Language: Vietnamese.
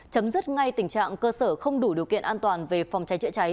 chấm dứt ngay tình trạng cơ sở không đủ điều kiện an toàn về phòng trái trị trái